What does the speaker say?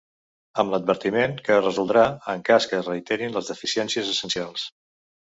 Amb l’advertiment que es resoldrà “en cas que es reiteren les deficiències essencials”.